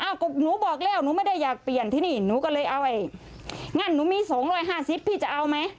อ้าวไม่ให้ได้ยังไง